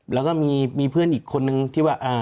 แล้วก็มีเพื่อนอีกคนนึงที่ว่า